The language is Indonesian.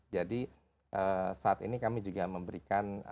jadi saat ini kami juga memberikan